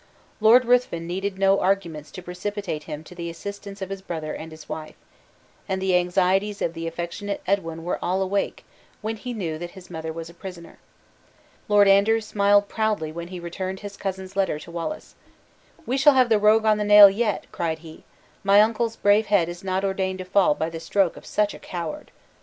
Lord Ruthven needed no arguments to precipitate him to the assistance of his brother and his wife; and the anxieties of the affectionate Edwin were all awake when he knew that his mother was a prisoner. Lord Andrew smiled proudly when he returned his cousin's letter to Wallace. "We shall have the rogue on the nail yet," cried he; "my uncle's brave head is not ordained to fall by the stroke of such a coward!"